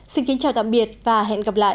xin kính chào tạm biệt và hẹn gặp lại